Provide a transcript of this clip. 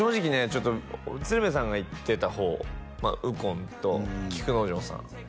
ちょっと鶴瓶さんが行ってた方右近と菊之丞さん